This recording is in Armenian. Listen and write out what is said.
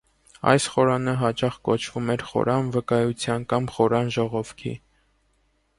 Այս խորանը հաճախ կոչվում էր «խորան վկայության» կամ «խորան ժողովքի»։